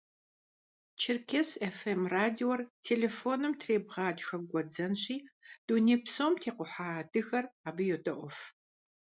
«Черкес ФМ» радиор телефоным требгъатхэ гуэдзэнщи, дуней псом текъухьа адыгэр абы йодэIуэф.